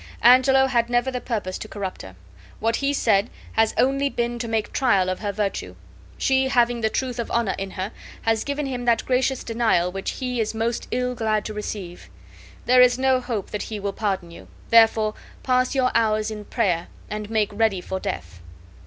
Angelo had never the purpose to corrupt her; what he said, has only been to make trial of her virtue. She, having the truth of honor in her, has given him that gracious denial which he is most ill glad to receive. There is no hope that he will pardon you; therefore pass your hours in prayer, and make ready for death."